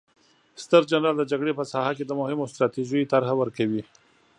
ستر جنرال د جګړې په ساحه کې د مهمو ستراتیژیو طرحه ورکوي.